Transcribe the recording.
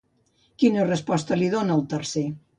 Quina resposta li dona el Tercer?